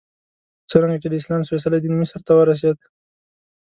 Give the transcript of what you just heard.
څرنګه چې د اسلام سپېڅلی دین مصر ته ورسېد.